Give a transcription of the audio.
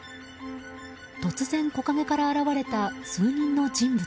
突然、木陰から現れた数人の人物。